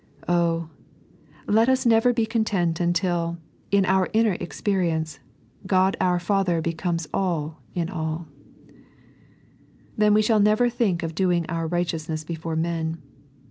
Oh, let us never be content until, in our inner experience, Ood our Father becomes All in aU! Then we shall never think of doing our righteousness before men.